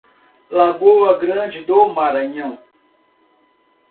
Lagoa Grande do Maranhão